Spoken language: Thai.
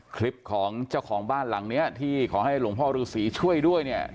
คลิปของเจ้าของบ้านหลังเนี้ยที่ขอให้หลวงพ่อฤษีช่วยด้วยเนี่ย